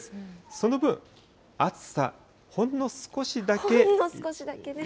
その分、暑さ、ほんの少しだけね。